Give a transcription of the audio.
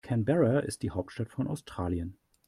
Canberra ist die Hauptstadt von Australien.